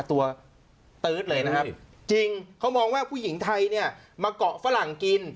ตัวตื๊ดเลยนะครับจริงเขามองว่าผู้หญิงไทยเนี่ยมาเกาะฝรั่งกิน